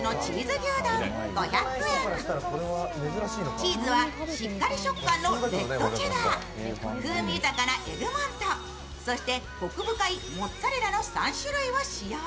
チーズは、しっかり食感のレッドチェダー、風味豊かなエグモントそして、こく深いモッツアレラチーズの３種類を使用。